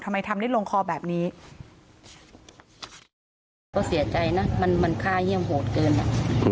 ทำได้ลงคอแบบนี้เราก็เสียใจนะมันมันฆ่าเยี่ยมโหดเกินอ่ะ